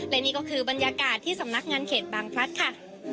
และนี่ก็คือบรรยากาศที่สำนักงานเขตบางพลัดค่ะ